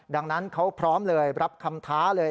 ดังนั้นเขาพร้อมเลยรับคำท้าเลย